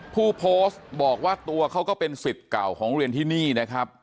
ผู้โพสต์บอกว่าตัวเขาก็เป็นสิทธิ์เก่าของเรียนที่นี่นะครับ